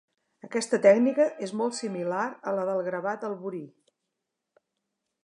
Aquesta tècnica és molt similar a la del gravat al burí.